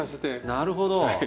なるほど。